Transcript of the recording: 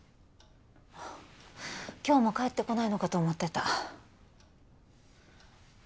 あぁ今日も帰ってこないのかと思ってた。